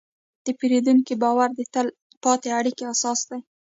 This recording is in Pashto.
د پیرودونکي باور د تل پاتې اړیکې اساس دی.